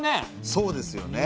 そうですよね。